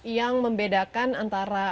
yang membedakan antara